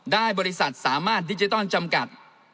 บริษัทสามารถดิจิตอลจำกัด